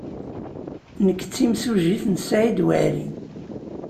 Nekk d timsujjit n Saɛid Waɛli.